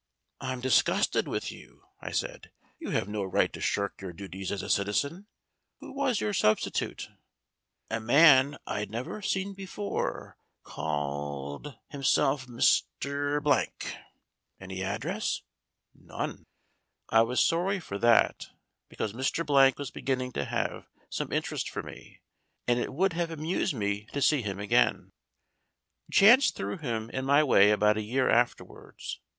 "I'm disgusted with you," I said. "You have no right to shirk your duties as a citizen. Who was your substitute ?" "A man I'd never seen before called himself Mr. Blank." "Any address ?" "None." I was sorry for that, because Mr. Blank was begin ning to have some interest for me, and it would have amused me to see him again. Chance threw him in my way about a year after wards.